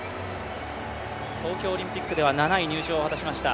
東京オリンピックでは７位入賞を果たしました。